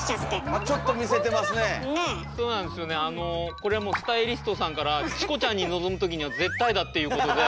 これはもうスタイリストさんから「チコちゃん」に臨む時には絶対だっていうことで。